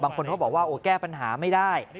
บางคนเขาบอกว่าแก้ปัญหาไม่ได้